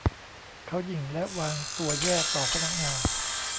เขาหยิ่งและวางตัวแย่ต่อพนักงาน